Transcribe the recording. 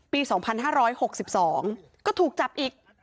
ปี๒๕๖๒ก็ถูกจับอีก